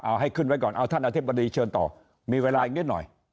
เอาให้ขึ้นไว้ก่อนเอาท่านอธิบดีเชิญต่อมีเวลาอีกนิดหน่อย